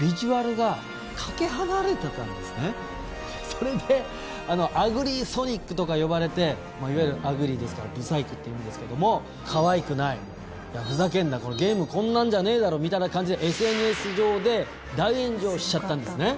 それでアグリーソニックとか呼ばれていわゆるアグリーですから不細工って意味ですけども可愛くない、ふざけんなゲームこんなんじゃねえだろみたいな感じでＳＮＳ上で大炎上しちゃったんですね。